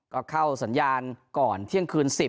ก็เข้าสัญญาณก่อนเที่ยงคืน๑๐